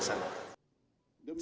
setelah mangkir dari partai golkar